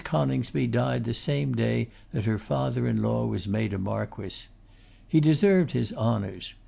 Coningsby died the same day that her father in law was made a Marquess. He deserved his honours.